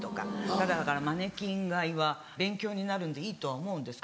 だからマネキン買いは勉強になるんでいいとは思うんですけど。